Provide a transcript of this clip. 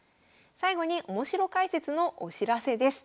最後にオモシロ解説のお知らせです。